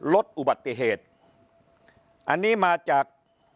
ลดอุบัติเหตุอันนี้มาจาก